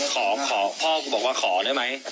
ขอพ่อกลบอกว่าขอได้มั้ย